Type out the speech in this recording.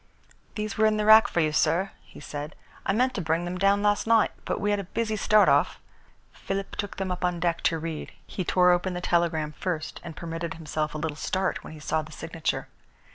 "These were in the rack for you, sir," he said. "I meant to bring them down last night but we had a busy start off." Philip took them up on deck to read. He tore open the telegram first and permitted himself a little start when he saw the signature.